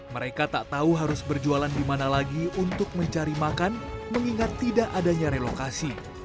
mereka tak tahu harus berjualan di mana lagi untuk mencari makan mengingat tidak adanya relokasi